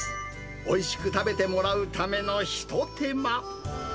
おいしく食べてもらうための一手間。